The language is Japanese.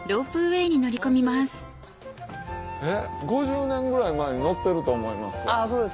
私５０年ぐらい前に乗ってると思います。